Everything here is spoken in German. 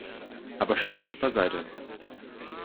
Aber Spass beiseite.